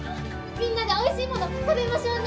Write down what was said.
みんなでおいしいもの食べましょうね！